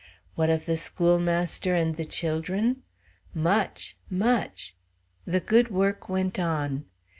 What of the schoolmaster and the children? Much, much! The good work went on.